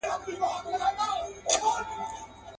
له هوا یوه کومول کښته کتله.